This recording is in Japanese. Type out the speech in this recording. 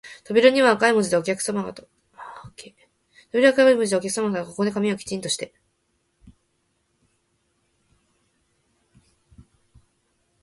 扉には赤い字で、お客さま方、ここで髪をきちんとして、